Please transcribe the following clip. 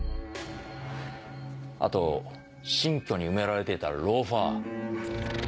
あと新居に埋められていたローファー。